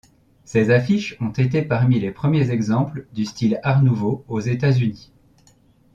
Ses affiches ont été parmi les premiers exemples du style Art nouveau aux États-Unis.